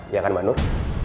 iya kan manur